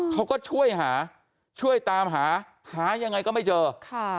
เขาก็ช่วยหาช่วยตามหาหายังไงก็ไม่เจอค่ะ